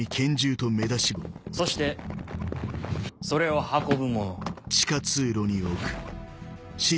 そしてそれを運ぶ者。